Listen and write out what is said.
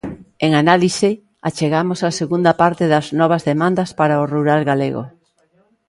En análise achegamos a segunda parte de 'Novas demandas para o rural galego'.